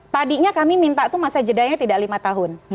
tadinya kami minta itu masa jedanya tidak lima tahun